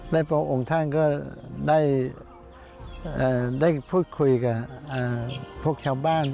และพระองค์ท่านก็ได้พูดคุยกับพวกชาวบ้าน